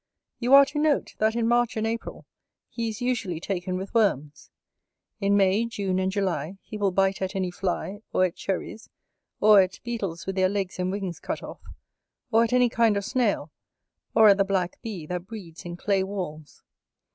You are to note, that in March and April he is usually taken with worms; in May, June, and July, he will bite at any fly, or at cherries, or at beetles with their legs and wings cut off, or at any kind of snail, or at the black bee that breeds in clay walls.